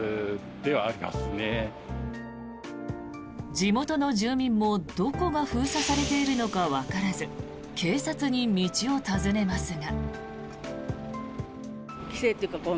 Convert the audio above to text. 地元の住民も、どこが封鎖されているのかわからず警察に道を尋ねますが。